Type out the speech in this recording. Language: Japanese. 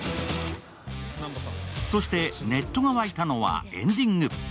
そしてネットが沸いたのはエンディング。